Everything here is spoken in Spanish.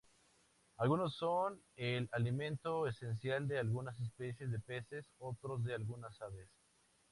Algunos son el alimento esencial de algunas especies de peces, otros de algunas aves.